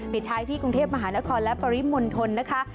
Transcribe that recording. ปิดท้ายที่กรุงเทพมหานครและปริมณฑลนะคะ